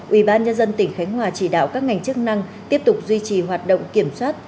ủy ban nhân dân tỉnh khánh hòa chỉ đạo các ngành chức năng tiếp tục duy trì hoạt động kiểm soát